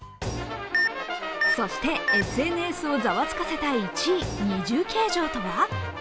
そしてＳＮＳをざわつかせた１位、二重計上とは。